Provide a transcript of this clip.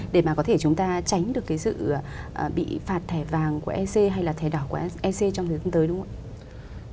để mà có thể chúng ta tránh được cái sự bị phạt thẻ vàng của ec hay là thẻ đỏ của ec trong thế giới tương tối đúng không ạ